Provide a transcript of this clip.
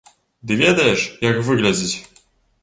Ды ведаеш, як выглядзіць?